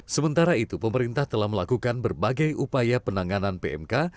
sementara itu pemerintah telah melakukan berbagai upaya penanganan pmk